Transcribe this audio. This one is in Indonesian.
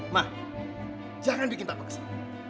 ma jangan bikin papa kesal